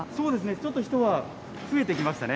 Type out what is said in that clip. ちょっと人は増えてきましたね。